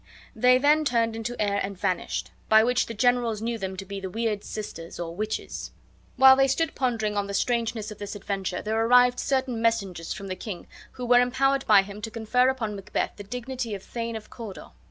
They then turned into air and vanished; by which the generals knew them to be the weird sisters, or witches. While they stood pondering on the strangeness of this adventure there arrived certain messengers from the king, who were empowered by him to confer upon Macbeth the dignity of Thane of Cawdor.